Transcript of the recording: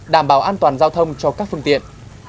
đảm bảo an toàn giao thông cho các phương tiện